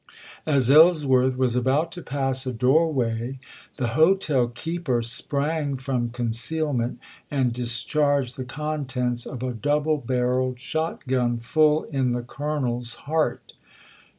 As Ellsworth was about to pass a doorway, the hotel keeper sprang from concealment and discharged the contents of 314 ABRAHAM LINCOLN ch. XVIII. a double barreled sliot gun full in the colonel's heart.